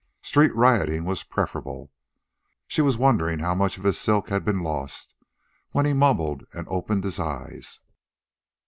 Street rioting was preferable. She was wondering how much of his silk had been lost, when he mumbled and opened his eyes.